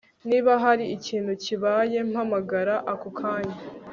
Niba hari ikintu kibaye mpamagara ako kanya